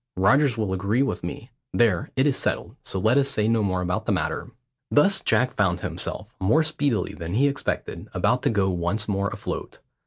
Rogers will agree with me. There, it is settled, so let us say no more about the matter." Thus Jack found himself, more speedily than he expected, about to go once more afloat.